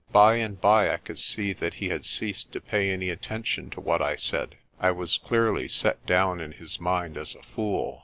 By and by I could see that he had ceased to pay any attention to what I said. I was clearly set down in his mind as a fool.